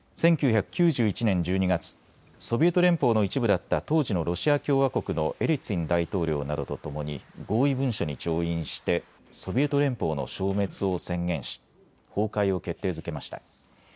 １９９１年１２月、ソビエト連邦の一部だった当時のロシア共和国のエリツィン大統領などとともに合意文書に調印してソビエト連邦の消滅を宣言し崩壊を決定づけました。